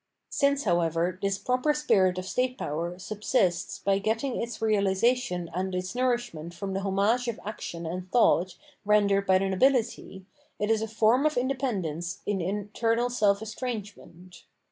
Since, however, this proper spirit "of state power subsists by getting its realisation and its nourishment from the homage of action and thought rendered by the nobility, it is a form of independence in internal self estrangement.